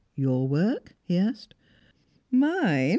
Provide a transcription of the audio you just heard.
"Your work?" he asked. "Mine?"